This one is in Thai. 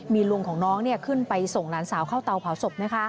มีลุงของน้องขึ้นไปส่งหลานสาวเข้าเตาเผาศพ